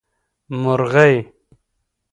مرغۍ 🐦